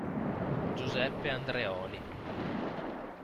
Giuseppe Andreoli